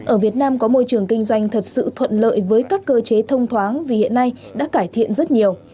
ở việt nam có môi trường kinh doanh thật sự thuận lợi với các cơ chế thông thoáng vì hiện nay đã cải thiện rất nhiều